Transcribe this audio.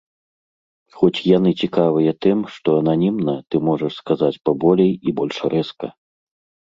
Хоць яны цікавыя тым, што ананімна ты можаш сказаць паболей і больш рэзка.